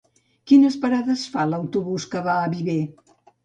Quines parades fa l'autobús que va a Viver?